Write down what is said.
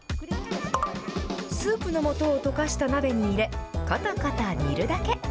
スープのもとを溶かした鍋に入れ、ことこと煮るだけ。